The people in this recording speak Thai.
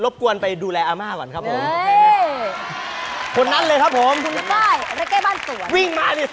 ปรากฏโทนให้สันต์อย่างไร